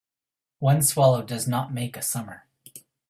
One swallow does not make a summer